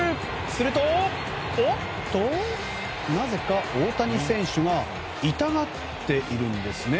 するとおっと、なぜか大谷選手が痛がっているんですね。